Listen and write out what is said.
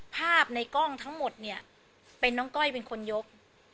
ภาพในกล้องทั้งหมดเนี่ยเป็นน้องก้อยเป็นคนยก